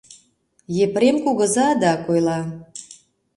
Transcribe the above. Епрем кугыза адак ойла: